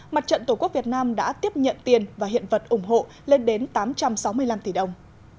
mặt trận tổ quốc việt nam đã tiếp nhận tiền và hiện vật ủng hộ lên đến tám trăm sáu mươi năm tỷ đồng